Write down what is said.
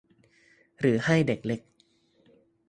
หรือให้เด็กเล็ก